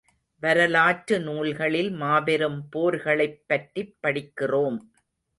வரலாற்று நூல்களில் மாபெரும் போர்களைப் பற்றிப் படிக்கிறோம்.